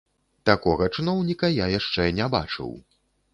Такога чыноўніка я яшчэ не бачыў.